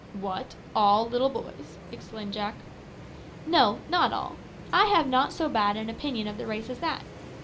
"What! all little boys!" exclaimed Jack. "No, not all. I have not so bad an opinion of the race as that.